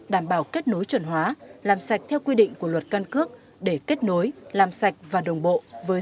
đảm bảo kết nối chuẩn hóa làm sạch theo quy định của luật căn cước để kết nối làm sạch và đồng bộ với